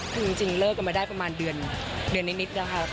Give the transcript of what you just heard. คือจริงเลิกกันมาได้ประมาณเดือนนิดแล้วค่ะ